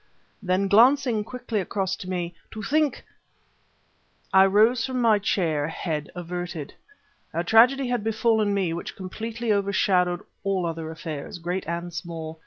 Then, glancing quickly across to me: "To think ..." I rose from my chair, head averted. A tragedy had befallen me which completely overshadowed all other affairs, great and small.